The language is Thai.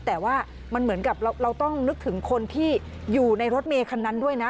แต่ว่ามันเหมือนกับเราต้องนึกถึงคนที่อยู่ในรถเมย์คันนั้นด้วยนะ